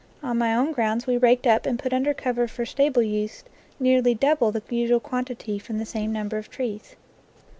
On my own grounds we raked up and put under cover for stable use nearly double the usual quantity from the same number of trees.